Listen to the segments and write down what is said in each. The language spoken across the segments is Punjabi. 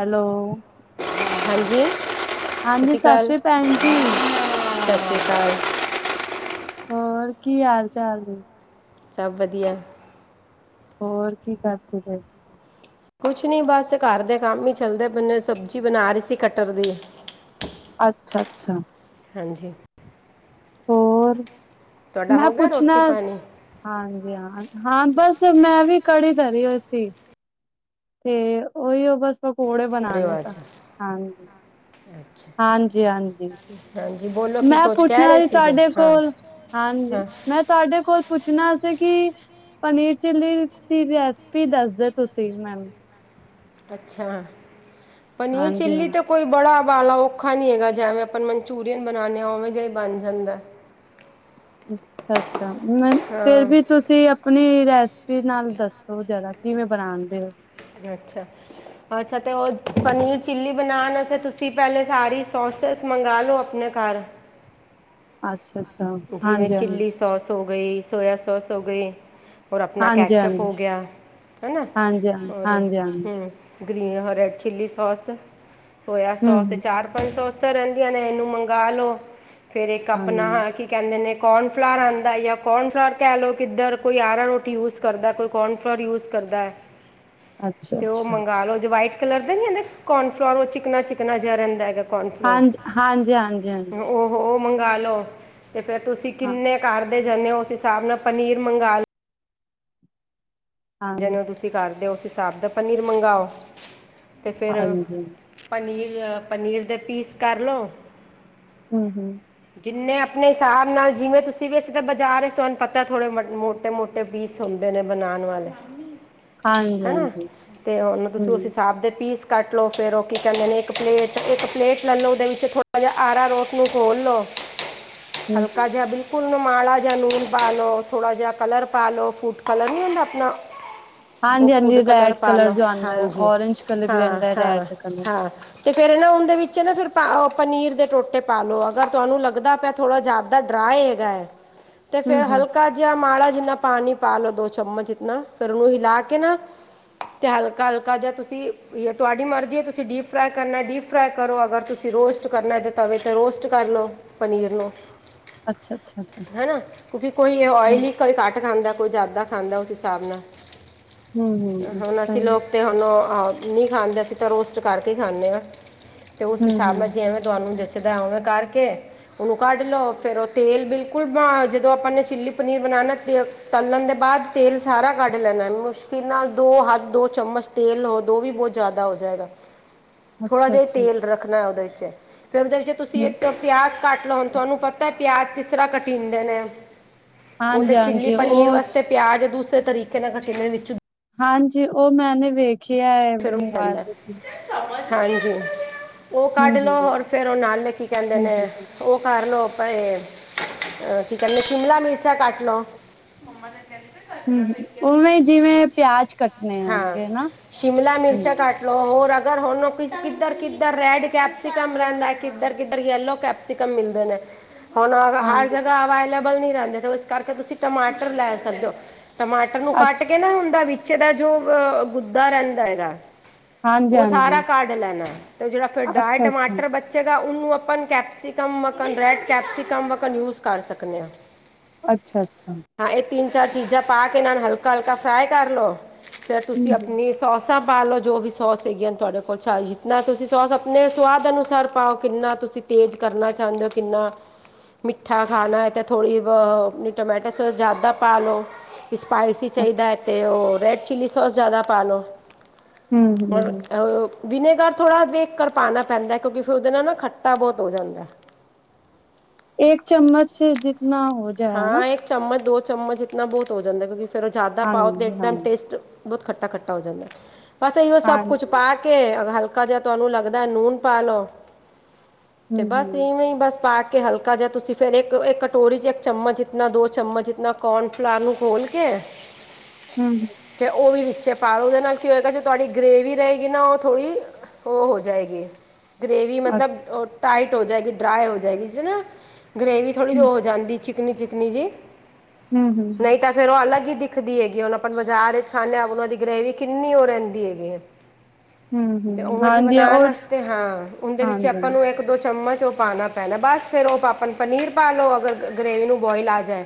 ਹੈਲੋ। ਹਾਂਜੀ ਸਤਿ ਹਾਂਜੀ ਸਸ ਸ਼੍ਰੀ ਪੈਨਜੀ। ਸਸ ਸ੍ਰੀ ਕਾਲ। ਹੋਰ ਕੀ ਹਾਲ ਚਾਲ ਏ? ਸਭ ਵਧੀਐ। ਹੋਰ ਕੀ ਕਰਦੇ ਪਏ? ਕੁਛ ਨੀ ਬਸ ਘਰ ਦੇ ਕੰਮ ਈ ਚੱਲਦੇ ਪੇ ਨੇ। ਸਬਜ਼ੀ ਬਨਾ ਰੀ ਸੀ ਕਟਰ ਦੀ। ਅੱਛਾ-ਅੱਛਾ। ਹਾਂਜੀ। ਹੋਰ? ਤੁਹਾਡਾ ਮੈਂ ਹੋ ਗਿਆ ਪੁੱਛਨਾ ਰੋਟੀ ਪਾਣੀ ਹਾਂਜੀ, ਹਾਂ ਹਾਂ ਬਸ ਮੈਂ ਵੀ ਕੜੀ ਧਰੀ ਹੋਈ ਸੀ। ਤੇ ਓਈਯੋ ਬਸ। ਪਕੌੜੇ ਬਣਾਣੇ ਸਨ, ਆਵਾਜ਼ ਹਾਂਜੀ। ਹਾਂਜੀ-ਹਾਂਜੀ ਬੋਲੋ ਕੀ ਮੈਂ ਕੁਛ ਕਹਿ ਪੁੱਛਣਾ ਰਹੇ ਸੀ ਸੀਗੇ ਤੁਹਾਡੇ ਹਾਂ ਕੋਲ ਹਾਂਜੀ ਹਾਂ ਮੈਂ ਤੁਹਾਡੇ ਕੋਲ ਪੁੱਛਣਾ ਸੀ ਕਿ ਪਨੀਰ ਚਿੱਲੀ ਦੀ ਰੈਸਪੀ ਦੱਸਦੇ ਤੁਸੀਂ ਮੈਨੂੰ ਅੱਛਾ ਪਨੀਰ ਚਿੱਲੀ ਹਾਂਜੀ-ਹਾਂਜੀ। ਤਾਂ ਕੋਈ ਬੜਾਬਾਲਾ ਔਖਾ ਨੀ ਹੈਗਾ ਜਿਵੇਂ ਆਪਾਂ ਮਨਚੂਰੀਅਨ ਬਣਾਉਂਦੇ ਹਾਂ ਉਵੇਂ ਜਿਹਾ ਹੀ ਬਣ ਜਾਂਦਾ। ਅੱਛਾ ਅੱਛਾ ਫਿਰ ਹਾਂ ਵੀ ਤੁਸੀ ਤੁਸੀਂ ਆਪਣੀ ਰੈਸਪੀ ਨਾਲ ਦੱਸੋ ਜ਼ਰਾ ਕਿਵੇਂ ਬਣਾਉਣਦੇ ਹੋ। ਅੱਛਾ, ਅੱਛਾ ਅਤੇ ਉਹ ਪਨੀਰ ਚਿੱਲੀ ਬਣਾਉਣ ਅਸਤੇ ਤੁਸੀਂ ਪਹਿਲੇ ਸਾਰੀ ਸੋਸ ਸ ਮੰਗਾ ਲਓ ਆਪਣੇ ਘਰ ਅੱਛਾ-ਅੱਛਾ। ਜਿਵੇਂ ਹਾਂਜੀ-ਹਾਂਜੀ, ਚਿੱਲੀ ਸੌਸ ਹੋ ਗਈ ਸੋਇਆ ਸੌਸ ਹੋ ਗਈ। ਔਰ ਆਪਣਾ ਕੈਚਅਪ ਹਾਂਜੀ-ਹਾਂਜੀ, ਹੋ ਗਿਆ ਹੈ ਨਾ ਹਾਂਜੀ-ਹਾਂਜੀ, ਔਰ ਹਾਂਜੀ-ਹਾਂਜੀ। ਹਮ green red chilli sauce soya sauce ਹੂੰ-ਹੂੰ, ਚਾਰ ਪੰਜ ਸੌਸਾਂ ਰਹਿੰਦੀਆਂ ਨੇ ਇਹਨੂੰ ਮੰਗ ਲੋ ਫੇਰ ਇੱਕ ਹਾਂਜੀ ਆਪਣਾ ਕਿ ਕਹਿੰਦੇ ਨੇ ਕੋਨਫਲਰ ਆਉਂਦਾ ਜਾਂ ਕੋਨਫਲਰ ਕਹਿ ਲਓ ਕਿੱਧਰ ਕੋਈ ਅਰਾਰੋਟ ਯੂਜ ਕਰਦਾ ਕੋਈ ਕੋਨਫਲੋਰ ਯੂਜ ਕਰਦਾ ਹੈ। [inaudible] ਤੇ ਉਹ ਅੱਛਾ-ਅੱਛਾ ਮੰਗ ਲਓ ਜ ਵਾਈਟ ਕਲਰ ਦੇ ਨੀ ਕਿੰਦੇ ਕੋਨਫਲੋਰ ਉਹ ਚਿਕਨਾ ਚਿਕਨਾ ਜਿਹਾ ਰਹਿੰਦਾ ਹੈਗਾ। ਕੌਰਨਫਲਾਰ ਹਾਂਜੀ ਹਾਂਜੀ ਹਾਂਜੀ ਹਾਂਜੀ। ਉਹ ਉਹ ਮੰਗਵਾ ਲਓ ਤੇ ਫੇਰ ਤੁਸੀਂ ਹਾਂ, ਕਿੰਨੇ ਘਰਦੇ ਜਾਨੇ ਹੋ ਉਸ ਹਿਸਾਬ ਨਾਲ ਪਨੀਰ ਮੰਗਾ ਲਓ। ਹਾਂ, ਜਦੋਂ ਤੁਸੀਂ ਕਰਦੇ ਉਸ ਹਿਸਾਬ ਦਾ ਪਨੀਰ ਮੰਗਵਾਓ ਅਤੇ ਫਿਰ ਹਾਂਜੀ ਪਨੀਰ ਲਿਆ ਪਨੀਰ ਦੇ ਪੀਸ ਕਰ ਲਉ। ਹੂੰ-ਹੂੰ। ਜਿੰਨੇ ਆਪਣੇ ਹਿਸਾਬ ਨਾਲ ਜਿਵੇਂ ਤੁਸੀਂ ਵੇਸੇ ਤੇ ਬਾਜ਼ਾਰ ਵਿੱਚ ਤੁਹਾਨੂੰ ਪਤਾ ਥੋੜੇ ਮੋਟੇ-ਮੋ ਟੇ ਪੀਸ ਹੁੰਦੇ ਨੇ ਬਣਾਉਣ ਵਾਲੇ। ਹਨਾ ਹਾਂਜੀ-ਹਾਂਜੀ, ਤੇ ਉਹਨੂੰ ਤੁਸੀਂ ਉਸ ਹੂੰ। ਹਿਸਾਬ ਦੇ ਪੀਸ ਕੱਟ ਲਉ ਫਿਰ ਉਹ ਕੀ ਕਹਿੰਦੇ ਨੇ ਇੱਕ ਪਲੇਟ ਇੱਕ ਪਲੇਟ ਲੈ ਲਉ ਉਹਦੇ ਵਿੱਚ ਥੋੜ੍ਹਾ ਜਿਹਾ ਆਰਾ ਰੋਟ ਨੂੰ ਘੋਲ ਲਉ। [inaudible] ਹਲਕਾ ਜਿਹਾ ਬੀ ਫੁੱਲ ਮਾਲਾ ਲੂਣ ਪਾ ਲਓ ਥੋੜਾ ਜਿਹਾ ਕਲਰ ਪਾ ਲਓ ਫੂਡ ਕਲਰ ਨਹੀਂ ਹੁੰਦਾ ਆਪਣਾ ਉਹ ਫੂਡ ਹਾਂਜੀ-ਹਾਂਜੀ ਕਲਰ ਰੈਡ ਪਾ ਲਓ ਜੋ ਆਂਦਾ ਹਾਂਜੀ ਔਰਂਜ ਕਲਰ ਵੀ ਹਾਂ ਰਹਿੰਦਾ ਹਾਂ ਰੈਡ ਕਲਰ। ਹਾਂ। ਤੇ ਫਿਰ ਨਾ ਹੁਣ ਜੇ ਵਿੱਚ ਨਾ ਫਿਰ ਪਾ ਪਨੀਰ ਦੇ ਟੋਟੇ ਪਾ ਲਓ ਅਗਰ ਤੁਹਾਨੂੰ ਲੱਗਦਾ ਪਿਆ। ਥੋੜਾ ਜਿਆਦਾ ਡਰਾਏ ਹੈਗਾ ਹੈ। [inaudible] ਤੇ ਫਿਰ ਹਲਕਾ ਜਿਹਾ ਮਾੜਾ ਜਿੰਨਾ ਪਾਣੀ ਪਾ ਲੋੋ ਦੋ ਚਮਚ ਜਿਤਨਾ ਫਿਰ ਉਹਨੂੰ ਹਿਲਾ ਕੇ ਨਾ [inaudible] ਤੇ ਹਲਕਾ ਹਲਕਾ ਜਿਹਾ ਤੁਸੀਂ ਤੁਹਾਡੀ ਮਰਜ਼ੀ ਹੈ ਤੁਸੀਂ ਡੀਪ ਫਰਾਈ ਕਰਨਾ ਡੀਪ ਫਰਾਈ ਕਰੋ ਅਗਰ ਤੁਸੀਂ, ਰੋਸਟ ਕਰਨਾ ਤੇ ਤਵੇ ਤੇ ਰੋਸਟ ਕਰ ਲੋ ਪਨੀਰ ਨੂੰ ਅੱਛਾ-ਅੱਛਾ, ਅੱਛਾ ਅੱਛਾ ਅੱਛਾ ਹਨਾ ਕਿਉਂਕਿ ਕੋਈ ਹੂੰ, ਆਇਲੀ ਕੋਈ ਘੱਟ ਖਾਂਦਾ ਕੋਈ ਜ਼ਿਆਦਾ ਖਾਂਦਾ ਉਸ ਹਿਸਾਬ ਨਾਲ ਹੂੰ-ਹੂੰ, ਹੁਣ ਅਸੀਂ ਸਹੀ ਲੋਕ ਤੇ ਹੁਣ ਨਹੀਂ ਖਾਂਦੇ ਅਸੀਂ ਤਾਂ ਰੋਸਟ ਕਰਕੇ ਹੀ ਖਾਂਦੇ ਹਾਂ ਤੇ ਉਸ ਹਿਸਾਬ ਹੂੰ-ਹੂੰ, ਨਾਲ ਜਿਵੇਂ ਤੁਹਾਨੂੰ ਜੱਚਦਾ ਉਵੇਂ ਕਰਕੇ ਉਹ ਕੱਢ ਲਓ ਫਿਰ ਉਹ ਤੇਲ ਬਿਲਕੁਲ ਜਦੋਂ ਆਪਾਂ ਨੇ ਚਿੱਲੀ ਪਨੀਰ ਬਣਾਉਣਾ ਤੇ ਤਲਣ ਦੇ ਬਾਅਦ ਤੇਲ ਸਾਰਾ ਕੱਢ ਲੈਣਾ, ਮੁਸ਼ਕਿਲ ਨਾਲ ਦੋ ਹੱਥ ਦੋ ਚਮਚ ਤੇਲ ਹੋ ਦੋ ਵੀ ਬਹੁਤ ਜ਼ਿਆਦਾ ਹੋ ਜਾਏਗਾ [inaudible] ਥੋੜਾ ਜਿਹਾ ਅੱਛਾ-ਅੱਛਾ। ਤੇਲ ਰੱਖਣਾ ਉਹਦੇ ਵਿੱਚ, ਫੇਰ ਉਹਦੇ ਵਿੱਚ ਤੁਸੀਂ ਹੂੰ, ਇੱਕ ਪਿਆਜ ਕੱਟ ਲਓੁ, ਤੁਹਾਨੂੰ ਪਤਾ ਪਿਆਜ ਕਿਸ ਤਰ੍ਹਾਂ ਕਟੀਂਦੇ ਨੇ ਉਹ ਤੇ ਚਿੱਲੀ ਹਾਂਜੀ-ਹਾਂਜੀ ਪਨੀਰ ਉਹ ਵਾਸਤੇ ਪਿਆਜ ਦੂਸਰੇ ਤਰੀਕੇ ਨਾਲ ਕਟੀਨੇ ਵਿੱਚ ਹਾਂਜੀ, ਉਹ ਮੈਂ ਨੇ ਵੇਖ ਖਿਆ ਹੈ। ਫ਼ਰਕ ਮੋਬਾਇਲ ਪੈਂਦਾ ਬਦਾ ਵਿੱਚ ਹਾਂਜੀ, ਤੈਨੂੰ ਸਮਝ ਨਹੀਂ ਆਂਦਾ ਪਿਆ ਉਹ ਕੱਢ ਹੂੰ-ਹੂੰ, ਲਓ, ਹੂੰ-ਹੂੰ-ਹੂੰ, ਹੋਰ ਫੇਰ ਉਹ ਨਾਲ ਲਿਖੀ ਕੇਂਹੇਂਦੇ ਹੂੰ ਨੇ? ਹੂੰ, ਹੂੰ, ਉਹ ਕਰ ਲਵੋ ਪਏ ਕੀ ਕਹਿੰਦੇ ਸਿ਼ਮਲਾ ਮਿਰਚਾਂ ਕਟ ਲੋ ਮੰਮਾ ਦਾ ਕਹਿੰਦੇ ਹਮ, ਉਵੇਂ ਜਿਵੇਂ ਪਿਆਜ ਕੱਟ ਹਾਂ, ਸ਼ਿਮਲਾ ਮਿਰਚ ਕਟ ਹੋਰ ਅਗਰ ਹੁਣ ਕਿੱਧਰ ਕਿੱਧਰ ਰੈਡ ਕੈਪਸੀਿਕਮ ਰਹਿੰਦਾ ਕਿੱਧਰ ਕਿਧਰ ਯਲੋ ਕੈਪਸ ਤੇ ਕਮ ਮਿਲਦੇ ਨੇ ਹੁਣ ਹਰ ਹਾਂਜੀ ਜਗ੍ਹਾ ਅਵੇਲੇਬਲ ਨ ਰਹਿੰਦੇ, ਉਸ ਕਰਕੇ ਤੁਸੀਂ ਟਮਾਟਰ ਲੈ ਸਕਦੇ ਹੋ, ਟਮਾ ਇਹਨੂੰ ਕੱਟ ਅੱਛ ਕੇ ਨਾ ਓਹਦਾ ਵਿਚ ਦਾ ਜੋ ਗੁੱਦਾ ਰਹਿੰਦਾ ਹੈਗਾ ਉਹ ਸਾਰਾ ਹਾਂਜੀ-ਹਾਂਜੀ ਕਢ ਲੈਣਾ ਤੇ ਜਿਹੜਾ ਫਿਰ ਡਰਾਏ ਅੱਛਾ-ਅੱਛਾ, ਟਮਾਟਰ ਬੱਚਾ ਗਾ ਉਹਨੂੰ ਅਪਾ ਕੈਪਸੀਕਮ ਵਾਕਣ ਰੈਡ ਕੈਪਸੀਕਮ੍ਹ ਵਾਕਣ ਯੂਜ ਕਰ ਸਕਦੇ ਹਾਂ। ਅੱਛਾ ਅੱਛਾ ਹਾਂ, ਇਹ ਤਿੰਨ ਚਾਰ ਚੀਜ਼ਾਂ ਪਾ ਕੇ ਇਹਨਾਂ ਨੂੰ ਹਲਕਾ -ਹਲਕਾ ਫਰਾਈ ਕਰ ਲਉ, ਫੇਰ ਤੁਸੀਂ ਹੂੰ-ਹੂੰ, ਆਪਣੀ ਸੋਸਾਂ ਪਾ ਲਓ, ਜੋ ਵੀ ਸੋਸ ਹੈਗੀਆਂ ਨੇ ਤੁਹਾਡੇ ਕੋਲ, ਜਿੱਨਾ ਤੁਸੀਂ ਸੋਸ ਆਪਣੇ ਸਵਾਦ ਅਨੁਸਾਰ ਪਾਓ ਕਿੰਨਾ ਤੁਸੀਂ ਤੇਜ਼ ਕਰਨਾ ਚਾਹੁੰਦੇ ਹੋ, ਕਿੰਨਾ ਮਿੱਠਾ ਖਾਣਾ ਹੈ ਤਾਂ ਥੋੜ੍ਹੀ ਟਮਾਟੋ ਸੋਸ ਜ਼ਿਆਦਾ ਪਾ ਲਓ ਸਪਾਈਸੀ ਅੱਛਾ, ਚਾਹੀਦਾ ਹੈ, ਅਤੇ ਉਹ ਰੈੱਡ ਚਿੱਲੀ ਸੌਸ ਜ਼ਿਆਦਾ ਪਾ ਲਉ। ਹੂੰ-ਹੂੰ-ਹੂੰ [unintelligible] ਵਿਨੇਗਰ ਥੋੜ੍ਹਾ ਵੇਖ ਕਰ ਪਾਉਣਾ ਪੈਂਦਾ, ਕਿਉਂਕਿ ਫਿਰ ਉਹਦੇ ਨਾਲ ਨਾ ਖੱਟਾ ਬਹੁਤ ਹੋ ਜਾਂਦਾ। ਇੱਕ ਚਮਚ ਜਿੱਤਨਾ ਹੋ ਜਾਏ ਹਨਾ। ਹਾਂ, ਇੱਕ ਚਮਚ ਦੋ ਚਮਚ ਇਤਨਾ ਬਹੁਤ ਹੋ ਜਾਂਦਾ, ਕਿਉਂਕਿ ਫਿਰ ਉਹ ਜ਼ਿਆਦਾ ਪਾਓ ਤੇ ਇੱਕਦਮ ਹਾਂਜੀ-ਹਾਂਜੀ, ਟੇਸਟ ਬਹੁਤ ਖੱਟਾ ਖੱਟਾ ਹੋ ਜਾਂਦਾ, ਬਸ ਇਓ ਸਭ ਕੁੱਛ ਹਾਂਜੀ ਪਾ ਕੇ ਹਲਕਾ ਜਹਾ ਤੁਹਾਨੂੰ ਲੱਗਦਾ ਨੂਨ ਪਾ ਲੋ, ਤੇ ਬਸ ਹੂੰ-ਹੂੰ-ਹੂੰ-ਹੂੰ, ਇਵੇਂ ਹੀ ਬਸ ਪਾ ਕੇ ਹਲਕਾ ਜਿਹਾ ਤੁਸੀਂ ਫੇਰ ਇਕ ਇੱਕ ਕਟੋਰੀ ਚ ਚਮਚ ਇਤਨਾ ਦੋ ਚਮਚ ਇਤਨਾ ਕੋਨਫਲਾਰ ਨੂੰ ਖੋਲ ਕੇ [unintelligible] ਫਿਰ ਉਹ ਵੀ ਵਿੱਚੇ ਪਾ ਲੋ ਉਹਦੇ ਨਾਲ ਕੀ ਹੋਏਗਾ ਤੁਹਾਡੀ ਗ੍ਰੇਵੀ ਰਹੇਗੀ ਨਾ ਉਹ ਥੋੜ੍ਹੀ ਉਹ ਹੋ ਜਾਏਗੀ। ਗਰੇਵੀ ਮਤਲਬ ਉਹ ਟਾਈਟ ਹੋ ਜਾਏਗੀ, ਡਰਾਏ ਹੋ ਜਾਏਗੀ, ਇਸਨਾ ਗਰੇੇਵੀ ਥੋੜ੍ਹੀ ਜ ਹੋ ਜਾਂਦੀ ਚਿਕ ਚਿਕਨੀ ਚਿਕਨੀ ਜੀ। [unintelligible] ਫੇਰਉਹ ਅਲੱਗ ਹੀ ਦਿਖਦੀ ਹੈਗੀ, ਉਹੁਣ ਆਪਾਂ ਬਾਜ਼ਾਰ ਚ ਖਾਂਦੇ ਹਾਂ ਉਹਨਾਂ ਦੀ ਗ੍ਰਰੇਵੀ ਕਿੰਨੀ ਉਹ ਰਹਿੰਦੀ ਹੈਗੀ ਹੈ। [inaudible] ਤੇ ਹੂੰ-ਹੂੰ, ਉਵੇਂ ਜਿਹੀ ਹਾਂਜੀ ਬਣਾਉਣ ਉਹ ਵਾਸਤੇ ਹਾਂ, ਉਹਦੇ ਵਿੱਚ ਆਪਾਂ ਹਾਂਜੀ-ਹਾਂਜੀ, ਨੂੰ ਇੱਕ ਦੋ ਚਮਚ ਉਹ ਪਾਣਾ ਪੈਣਾ ਬਸ ਫਿਰ ਉਹ ਆਪ ਪਨੀਰ ਪਾ ਲਓ, ਅਗਰ ਗ੍ਰਰੇਵੀ ਨੂੰ ਬੋਇਲ ਆ ਜਾਏ।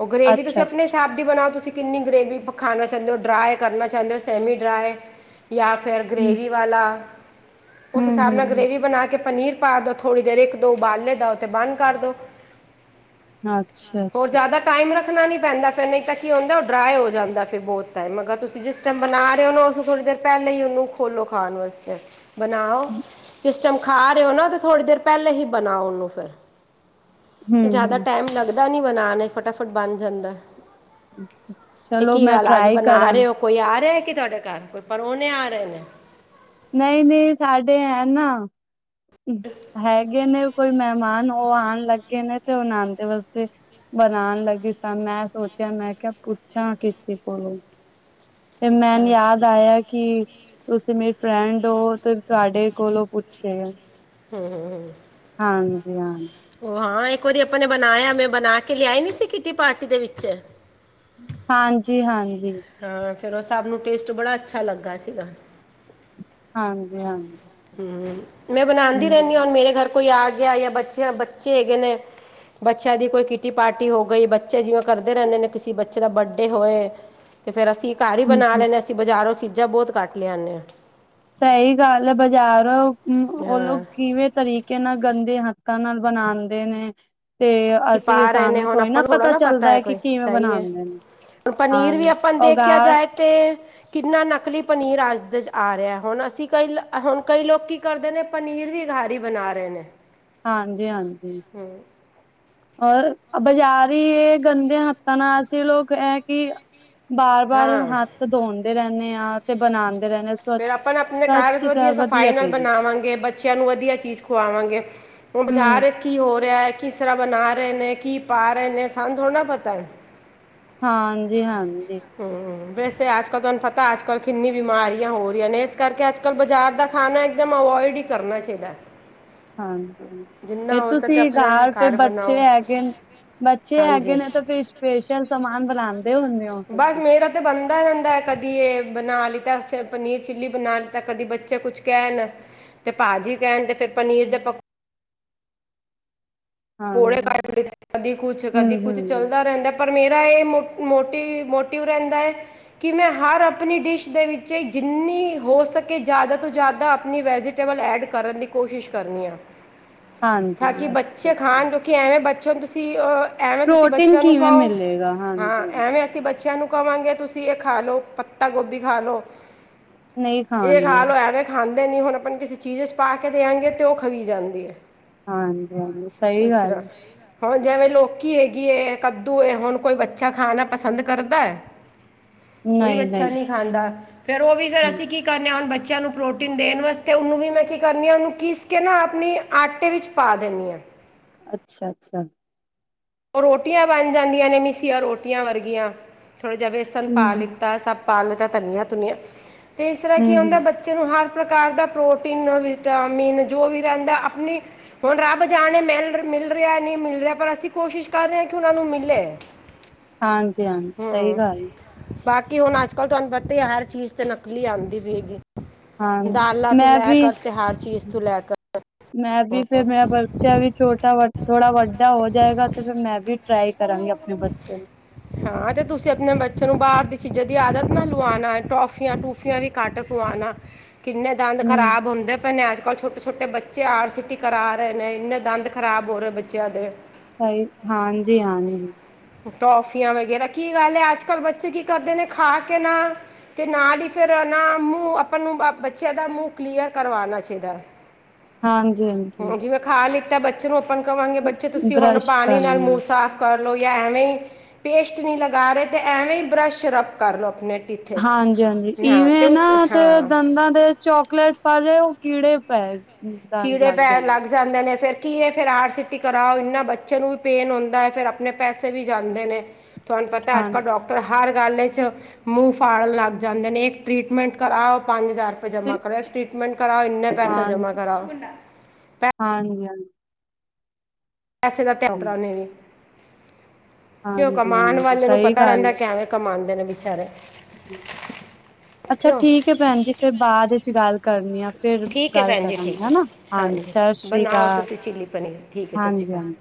ਉਹ ਗਰੇਵੀ ਤੁਸੀਂ ਅੱਛਾ-ਅੱਛਾ, ਆਪਣੇ ਤੇ ਆਪ ਜੇ ਬਣਾਓ ਤੁਸੀਂ ਕਿੰਨੀ ਗ੍ਰੇਵੀ ਖਾਣਾ ਚਾਹੁੰਦੇ ਹੋ? ਡਰਾਏ ਕਰਨਾ ਚਾਹੁੰਦੇ ਹੋ ਸੈਮੀ ਡਰਾਏ ਜਾਂ ਫਿਰ ਹੂੰ, ਗਰੇੇਵੀ ਵਾਲਾ ਉਸ ਹਿਸਾਬ ਨਾਲ ਹੂੰ-ਹੂੰ-ਹੂੰ, ਗ੍ਰੇਵੀ ਬਣਾ ਕੇ ਪਨੀਰ ਪਾ ਦੋ, ਥੋੜ੍ਹੀ ਦੇਰ ਇੱਕ ਦੋ ਉਬਾਲੇ ਦਓ ਤੇ ਬੰਦ ਕਰ ਦੋ। ਅੱਛਾ ਹੋਰ ਅੱਛਾ ਜ਼ਿਆਦਾ ਟਾਈਮ ਰੱਖਣਾ ਨੀ ਪੈਂਦਾ, ਫਿਰ ਨਹੀਂ ਤਾਂ ਕੀ ਹੁੰਦਾ ਉਹ ਡਰਾਏ ਹੋ ਜਾਂਦਾ, ਫੇਰਬਹੁਤ ਟਾਇਮ ਅਗਰ ਤੁਸੀਂ ਜਿਸ ਜੇ ਬਣਾ ਰਹੇ ਹੋ ਉਹਨੂੰ ਉਸ ਥੋੜ੍ਹੀ ਦੇਰ ਪਹਿਲੇ ਹੀ ਨੂੰ ਖੋਲੋ ਖਾਣ ਵਾਸਤੇ ਬਣਾਓ ਜਿਸ ਟੈਮ ਖਾ ਰਹੇ ਹੋ ਨਾ ਤੇ ਥੋੜੀ ਦੇਰ ਪਹਿਲੇ ਹੀ ਬਣਾਓ ਉਹਨੂੰ ਫਿਰ ਹੂੰ ਜਾਦਾ ਹੂੰ ਟੈਮ ਲੱਗਦਾ ਨੀ ਬਣਾਨ ਵਿਚ ਫਟਾਫਟ ਬਣ ਜਾਂਦਾ ਤੇ ਚਲੋ ਕੀ ਮੈਂ ਗੱਲ ਅੱਜ ਟਰਾਈ ਬਣਾ ਕਰਾਂਗੀ ਰਹੇ ਔ ਕੋਈ ਆ ਰਿਹਾ ਕੀ ਤੁਹਾਡੇ ਘਰ ਕੋਈ ਪਰੋਣੇ ਆ ਰਹੇ ਨੇ ਨਹੀਂ ਜੀ ਸਾਡੇ ਹੈਨਾ ਹੈਗੇ ਨੇ ਕੋਈ ਮਹਿਮਾਨ ਉਹ ਆਉਣ ਲੱਗੇ ਨੇ ਤੇ ਉਨਾਂ ਦੇ ਵਾਸਤੇ ਬਣਾਉਣ ਲੱਗੀ ਸਾਂ ਮੈਂ ਸੋਚਿਆ ਮੈਂ ਕਿਹਾ ਪੁੱਛਾਂ ਕਿਸੇ ਕੋਲੋਂ ਤੇ ਅੱਛਾ ਮੈਨੂੰ ਹੂੰ ਯਾਦ ਆਇਆ ਕਿ ਤੁਸੀਂ ਮੇਰੀ ਫਰੈਂਡ ਹੋ ਤੇ ਤੁਹਾਡੇ ਕੋਲੋਂ ਪੁੱਛੇਗਾ [unintelligible] ਹਾਂਜੀ ਹਾਂ ਉਹ ਹਾਂ ਇੱਕ ਵਾਰੀ ਆਪਾਂ ਨੇ ਬਣਾਇਆ ਮੈਂ ਬਣਾ ਕੇ ਲਿਆਈ ਨੀ ਸੀ ਕਿ ਕਿਟੀ ਪਾਰਟੀ ਦੇ ਵਿੱਚ ਹਾਂਜੀ ਹਾਂਜੀ ਹਾਂ ਫਿਰ ਉਹ ਸਭ ਨੂੰ ਟੇਸਟ ਬੜਾ ਅੱਛਾ ਲੱਗਾ ਸੀਗਾ ਹਾਂਜੀ ਹਾਂਜੀ ਹੂੰ ਮੈਂ ਹੂੰ ਬਣਾਉਂਦੀ ਰਹਿੰਦੀ ਹਾਂ ਹੁਣ ਮੇਰੇ ਘਰ ਕੋਈ ਆ ਗਿਆ ਜਾਂ ਬੱਚੇ ਬੱਚੇ ਹੈਗੇ ਨੇ ਬੱਚਿਆਂ ਦੀ ਕੋਈ ਕਿਟੀ ਪਾਰਟੀ ਹੋ ਗਈ ਬੱਚੇ ਜਿਵੇਂ ਕਰਦੇ ਰਹਿੰਦੇ ਨੇ ਕਿਸੇ ਬੱਚੇ ਦਾ ਬਰਡੇ ਹੋਏ ਤੇ ਫੇਰ ਅਸੀ ਘਰ ਹੀ ਬਣਾ ਹੂੰ ਲੈਂਦੇ ਹਾਂ ਅਸੀਂ ਬਾਜ਼ਾਰੋਂ ਚੀਜ਼ਾਂ ਬਹੁਤ ਘਟ ਲਿਆਦੇ ਆ ਸਹੀ ਗੱਲ ਹੈ ਬਜ਼ਾਰ ਉਨੂੰ ਹਾਂ ਕਿਵੇਂ ਤਰੀਕੇ ਕੇ ਨਾ ਗੰਦੇ ਹੱਥਾਂ ਨਾਲ ਬਣਾਉਂਦੇ ਨੇ ਤੇ ਕੀ ਅਸੀਂ ਪਾ ਰਹੇ ਨੇ ਸਾਨੂੰ ਹੁਣ ਥੋੜ੍ਹੀ ਆਪਾਂ ਨੂੰ ਥੋੜਾ ਨਾ ਪਤਾ ਚੱਲਦਾ ਹੈ ਕਿ ਕੋਈ ਕਿਵੇਂ ਸਈ ਏ ਬਣਾਉਂਦੇ ਨੇ ਹੁਣ ਪਨੀਰ ਵੀ ਹਾਂਜੀ ਆਪਾਂ ਨੂੰ ਦੇਖਿਆ ਉਗਾਰ ਜਾਏ ਤੇ ਕਿੰਨਾ ਨਕਲੀ ਪਨੀਰ ਅੱਜ ਦੇ ਚ ਆ ਰਿਹਾ ਹੁਣ ਅਸੀਂ ਕਈ ਹੁਣ ਕਈ ਲੋਕ ਕਰਦੇ ਨੇ ਪਨੀਰ ਵੀ ਘਰ ਈ ਬਣਾ ਰਹੇ ਨੇ ਹਾਂਜੀ ਹਾਂਜੀ ਹੂੰ ਔਰ ਬਾਜ਼ਾਰੀ ਇਹ ਗੰਦੇ ਹੱਥਾਂ ਨਾਲ ਅਸੀ ਲੋਕ ਏ ਕਿ ਬਾਰ ਬਾਰ ਹਾਂ ਹੱਥ ਧੋਨਦੇ ਰਹਿੰਦੇ ਆ ਤੇ ਬਣਾਉਂਦੇ ਰਹਿੰਦੇ ਫਿਰ ਆਪਾਂ ਆਪਣੇ ਘਰ ਵਿੱਚ ਸਵੱਛ ਵਧੀਆ ਸਫਾਈ ਨਾਲ ਤਰੀਕੇ ਬਣਾਵਾਂਗੇ ਬੱਚਿਆਂ ਨੂੰ ਵਧੀਆ ਚੀਜ਼ ਖਵਾਵਾਂਗੇ ਹੁਣ ਹਮ ਬਾਜ਼ਾਰ ਕੀ ਹੋ ਰਿਹਾ ਹੈ ਕਿਸ ਤਰ੍ਹਾਂ ਬਣਾ ਰਹੇ ਨੇ ਕੀ ਪਾ ਰਹੇ ਨੇ ਸਾਨੂੰ ਥੋੜਾ ਨਾ ਪਤਾ ਹੈ ਹਾਂਜੀ ਹਾਂਜੀ ਹੂੰ ਵੈਸੇ ਅੱਜ ਕੱਲ ਤੁਹਾਨੂੰ ਪਤਾ ਅੱਜ ਕੱਲ੍ਹ ਕਿੰਨੀ ਬਿਮਾਰੀਆਂ ਹੋ ਰਹੀਆਂ ਨੇ ਇਸ ਕਰਕੇ ਅੱਜ ਅੱਜ ਕੱਲ੍ਹ ਬਾਜ਼ਾਰ ਦਾ ਖਾਣਾ ਇੱਕਦਮ ਅਵੋਇਡ ਈ ਕਰਨਾ ਚਾਹੀਦਾ ਹਾਂਜੀ ਫਿਰ ਜਿੰਨਾ ਹੋ ਸਕੇ ਤੁਸੀਂ ਆਪਣੇ ਘਰ ਫਿਰ ਬੱਚੇ ਬਣਾਓ ਹੈਗੇ ਬੱਚੇ ਹੈਗੇ ਨੇ ਤਾਂ ਫੇਰ ਸਪੈਸ਼ਲ ਸਮਾਨ ਬਣਾਉਣ ਬਸ ਮੇਰਾ ਤੇ ਬਣਦਾ ਰਹਿੰਦਾ ਕਦੀ ਇਹ ਬਣਾ ਲਿੱਤਾ ਪਨੀਰ ਚਿੱਲੀ ਬਣਾ ਲਿੱਤਾ ਕਦੀ ਬੱਚੇ ਕੁਛ ਕਹਿਣ ਤੇ ਭਾਜੀ ਕਹਿਣ ਤੇ ਫਰ ਪਨੀਰ ਦੇ ਪਕੋ ਪਕੋੜੇ ਹਾਂਜੀ ਕੱਢ ਲਿਤੇ ਕਦੀ ਕੁਛ ਹਮ ਕਦੀ ਕੁੱਛ ਹਮ ਚੱਲਦਾ ਰਹਿੰਦਾ ਪਰ ਮੇਰਾ ਇਹ ਮੋ ਮੋਟਿਵ ਮੋਟਿਵ ਰਹਿੰਦਾ ਏ ਕਿ ਮੈਂ ਹਰ ਆਪਣੀ ਡਿਸ਼ ਦੇ ਵਿੱਚ ਜਿੰਨੀ ਹੋ ਸਕੇ ਜ਼ਿਆਦਾ ਤੋਂ ਜ਼ਿਆਦਾ ਆਪਣੀ ਵੈਜਟ ਕੇਵਲ ਐਡ ਕਰਨ ਦੀ ਕੋਸ਼ਿਸ਼ ਕਰਨੀ ਆਂ ਹਾਂਜੀ ਅੱਛਾ ਅੱਛਾ ਖਾਣ ਦੋ ਕਿ ਐਵੇਂ ਬੱਚੋ ਨੂੰ ਤੁਸੀਂ ਐਵੇਂ ਤੁਸੀਂ ਪ੍ਰੋਟੀਨ ਬੱਚਿਆਂ ਨੂੰ ਕਿਵੇਂ ਕਓ, ਮਿਲੇਗਾ ਹਾਂ ਹਾਂਜੀ ਹਾਂਜੀ ਐਵੇਂ ਅਸੀਂ ਬੱਚਿਆਂ ਨੂੰ ਕਵਾਂਗੇ ਤੁਸੀਂ ਇਹ ਖਾ ਲੋ ਪੱਤਾ ਗੋਭੀ ਖਾ ਲੋ ਨਹੀਂ ਇਹ ਖਾ ਖਾਣਗੇ ਲੋ ਐਵੇਂ ਖਾਂਦੇ ਨਹੀਂ, ਹੁਣ ਆਪਾਂ ਕਿਸੇ ਚੀਜ਼ 'ਚ ਪਾ ਕੇ ਦੇਆਂਗੇ ਤੇ ਉਹ ਖਵੀ ਜਾਂਦੀ ਹੈ ਹਾਂ ਹਾਂਜੀ ਹਾਂਜੀ ਸਹੀ ਗੱਲ ਮਿਸ਼ਰਾ ਐ। ਹੁਣ ਜਿਵੇਂ ਲੋਕੀ ਹੈਗੀ ਏ, ਕੱਦੂ ਏ, ਹੁਣ ਕੋਈ ਬੱਚਾ ਖਾਣਾ ਪਸੰਦ ਕਰਦਾ ਕੋਈ ਬੱਚਾ ਨਹੀਂ ਖਾਂਦਾ ਫੇਰ ਉਹ ਵੀ ਫੇਰ ਹੂੰ, ਅਸੀਂ ਕੀ ਕਰ ਨੇ ਹੁਣ ਬੱਚਿਆਂ ਨੂੰ ਪ੍ਰੋਟੀਨ ਦੇਣ ਵਾਸਤੇ, ਉਹਨੂੰ ਵੀ ਮੈਂ ਕੀ ਕਰਨੀ ਆ ਉਹਨੂੰ ਪੀਸ ਕੇ ਨਾ ਆਪਣੀ। ਆਟੇ ਵਿੱਚ ਪਾ ਦੇਨੀ ਆ। ਅੱਛਾ! ਅੱਛਾ! ਉਹ ਰੋਟੀਆਂ ਬਣ ਜਾਂਦੀਆਂ ਨੇ ਮੀਸੀਆਂ ਰੋਟੀਆਂ ਵਰਗੀਆਂ, ਥੋੜ੍ਹਾ ਜਿਹਾ ਵੇਸਨ ਹਮ ਪਾ ਹਮ ਲਿੱਤਾ ਸਭ। ਪਾ ਲੀਤਾ ਧਨੀਆ-ਧੁਨੀਆਂ ਤੇ ਇਸ ਤਰ੍ਹਾਂ ਕੀ ਹਮ ਹੁੰਦਾ। ਹਮ ਬੱਚੇ ਨੂੰ ਹਰ ਪ੍ਰਕਾਰ ਦਾ ਪ੍ਰੋਟੀਨ ਵਿਟਾਮਿਨ ਜੋ ਵੀ ਰਹਿੰਦਾ ਆਪਣੀ। ਹੁਣ ਰੱਬ ਜਾਣੇ ਮਿਲ ਮਿਲ ਰਿਹਾ ਨਹੀਂ ਮਿਲ ਰਿਹਾ ਪਰ ਅਸੀਂ। ਕੋਸ਼ਿਸ਼ ਕਰ ਰਹੇ ਹਾਂ ਕਿ ਉਹਨਾਂ ਨੂੰ ਮਿਲੇ। ਹਾਂਜੀ! ਹਾਂਜੀ! ਸਹੀ ਹੂੰ ਗੱਲ ਬਾਕੀ ਹੁਣ ਅੱਜ ਕੱਲ੍ਹ ਤੁਹਾਨੂੰ ਪਤਾ ਹੀ ਹੈ, ਹਰ ਚੀਜ਼ ਤੇ ਨਕਲੀ ਆਉਂਦੀ ਪਈ ਗੀ। ਹਾਂ ਦਾਲਾਂ ਤੋਂ ਮੈਂ ਲੈ ਵੀ ਕਰ, ਤੇ ਹਰ ਚੀਜ਼ ਤੋਂ ਲੈ ਕਰ। ਮੈਂ ਵੀ ਫੇਰ ਮੇਰਾ ਬੱਚਾ ਵੀ ਛੋਟਾ ਥੋੜ੍ਹਾ ਵੱਡਾ ਹੋ ਜਾਏਗਾ, ਤੇ ਫਿਰ ਮੈਂ ਵੀ ਟਰਾਈ ਕਰਾਂਗੀ ਆਪ ਆਪਣੇ ਬੱਚੇ ਤੇ। ਹਾਂ! ਤੇ ਤੁਸੀਂ ਆਪਣੇ ਬੱਚਿਆਂ ਨੂੰ ਬਾਹਰ ਦੀ ਚੀਜ਼ਾਂ ਦੀ ਆਦਤ ਨਾ ਲਵਾਉਣਾ ਹੈ, ਇਹ ਟੋਫੀਆਂ ਟੂਫੀਆਂ ਵੀ ਘੱਟ। ਖਵਾਉਣਾ, ਕਿੰਨੇ ਦੰਦ ਹੂੰ ਖਰਾਬ ਹੁੰਦੇ। ਪਏ ਨੇ ਅੱਜ ਕੱਲ੍ਹ ਛੋਟੇ ਛੋਟੇ ਬੱਚੇ ਆਰ ਸੀ ਟੀ ਕਰਾ ਰਹੇ ਨੇ, ਇੰਨੇ ਦੰਦ ਖ਼ਰਾਬ ਹੋ ਰਹੇ ਬੱਚਿਆਂ ਦੇ। ਸਹੀ ਹਾਂਜੀ! ਹਾਂਜੀ! ਟੋਫੀਆਂ ਵਗੈਰਾ ਕੀ ਗੱਲ ਹੈ ਅੱਜ ਕੱਲ੍ਹ ਬੱਚੇ ਕੀ ਕਰਦੇ ਨੇ, ਖਾ ਕੇ ਨਾ। ਤੇ ਨਾਲ ਹੀ ਫਿਰ ਨਾ ਮੂੰਹ, ਆਪਾਂ ਨੂੰ ਬੱਚਿਆਂ ਦਾ ਮੂੰਹ ਕਲੀਅਰ ਕਰਵਾਣਾ ਚਾਹੀਦਾ। ਹਾਂ! ਹਾਂਜੀ! ਹਾਂਜੀ! ਹਾਂ, ਜਿਵੇਂ ਖਾ ਲਿੱਤਾ ਬੱਚੇ ਨੂੰ ਆਪਾਂ ਕਹਾਵਾਂਗੇ ਬੱਚੇ ਤੁਸੀਂ ਹੁਣ ਬਰੱਸ਼ ਪਾਣੀ ਕਰ ਨਾਲ ਮੂੰਹ ਲੈਣੀ ਸਾਫ਼। ਕਰ ਲੋ, ਜਾਂ ਐਵੇਂ ਹੀ ਪੇਸਟ ਨਹੀਂ ਲਗਾ ਰਹੇ ਤੇ ਐਵੇਂ ਹੀ ਬਰੱਸ਼ ਰਬ ਕਰ ਲੋ ਆਪਣੇ। ਟੀਥੇ 'ਚ ਹਾਂਜੀ! ਹਾਂਜੀ! ਹਾਂ ਤੇ ਇਵੇਂ ਉਸ ਨਾ ਤੇ ਹਾਂ ਦੰਦਾਂ ਦੇ ਚੋਕਲੇਟ। ਭਲੇ ਉਹ ਕੀੜੇ ਪੈ ਗਏ। ਕੀੜੇ ਪੈਣ ਲੱਗ। ਜਾਂਦੇ ਨੇ, ਫਿਰ ਕੀ ਇਹ ਫਿਰ ਆਰ ਸੀ ਟੀ ਕਰਾਓ ਇਨਾ ਬੱਚਿਆਂ ਨੂੰ ਵੀ ਪੇਨ ਹੁੰਦਾ, ਫਿਰ ਆਪਣੇ ਪੈਸੇ। ਪੈਸੇ ਵੀ ਜਾਂਦੇ ਨੇ, ਤੁਹਾਨੂੰ ਪਤਾ ਅੱਜ ਕੱਲ੍ਹ ਹਾਂਜੀ ਡਾਕਟ ਡਾਕਟਰ ਹਰ ਗੱਲ 'ਚ ਮੂੰਹ ਫਾੜਨ ਲੱਗ ਜਾਂਦੇ ਨੇ, ਇੱਕ ਟ੍ਰਰੀਟਮੈਂਟ ਕਰਾਓ ਪੰਜ ਹਜ਼ਾਰ। ਜਮਾਂ ਤੇ ਕਰਾਓ। ਇੱਕ ਟਰੀਟਮੈਂਟ ਕਰਾਓ ਇੰਨੇ ਪੈਸੇ ਜਮਾ ਕਰਾਓ। ਹਾਂਜੀ! ਹਾਂਜੀ! ਪੈਸੇ ਦਾ ਤੇ ਹਾਂਜੀ ਡਾਕਟਰਾਂ ਨੇ ਵੀ ਕਿ ਉਹ ਹਾਂਜੀ ਕਮਾਉਣ ਹਾਂਜੀ ਵਾਲੇ ਨੂੰ ਸਹੀ ਪਤਾ ਗੱਲ ਰਹਿੰਦਾ, ਹੈ ਕਿਵੇਂ ਕਮਾਉਂਦੇ ਨੇ ਵਿਚਾਰੇ। ਅੱਛਾ ਕਿਉਂ ਠੀਕ ਹੈ ਭੈਣ ਜੀ, ਫੇਰ ਬਾਅਦ ਇਚ ਗੱਲ ਕਰਨੀ ਆ। ਫਿਰ ਠੀਕ ਹੈ ਗੱਲ ਭੈਣ ਜੀ ਕਰਾਂਗੇ ਠੀਕ ਹੈ ਹੈਨਾ ਹਾਂਜੀ ਸਤਿ ਸ੍ਰੀ ਬਣਾਓ ਅਕਾਲ ਤੁਸੀਂ ਚਿੱਲੀ ਪਨੀਰ ਠੀਕ ਹੈ ਸਤਿ ਸ਼੍ਰੀ ਹਾਂਜੀ ਅਕਾਲ ਹਾਂਜੀ।